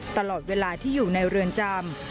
ตลอดเวลาที่อยู่ในเรือนจำ